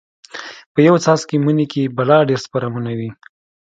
په يو څاڅکي مني کښې بلا ډېر سپرمونه وي.